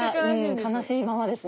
悲しいままですね。